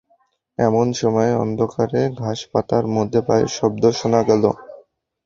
এমন সময়ে অন্ধকারে ঘাসপাতার মধ্যে পায়ের শব্দ শোনা গেল।